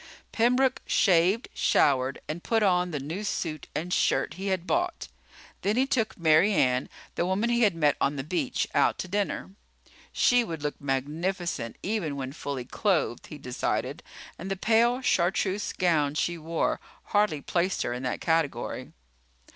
Pembroke shaved, showered, and put on the new suit and shirt he had bought. Then he took Mary Ann, the woman he had met on the beach, out to dinner. She would look magnificent even when fully clothed, he decided, and the pale chartreuse gown she wore hardly placed her in that category.